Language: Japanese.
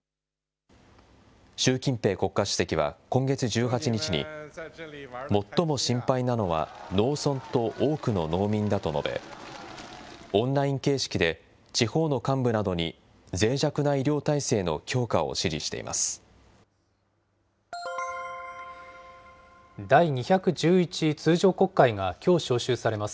習近平国家主席は、今月１８日に最も心配なのは農村と多くの農民だと述べ、オンライン形式で地方の幹部などに、ぜい弱な医療体制の強化を指示しています。